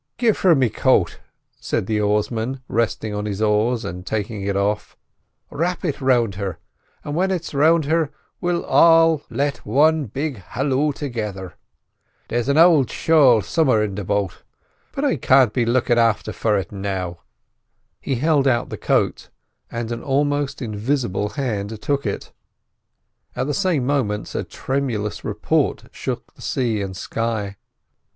"Give her me coat," said the oarsman, resting on his oars and taking it off. "Wrap it round her; and when it's round her we'll all let one big halloo together. There's an ould shawl som'er in the boat, but I can't be after lookin' for it now." He held out the coat and an almost invisible hand took it; at the same moment a tremendous report shook the sea and sky.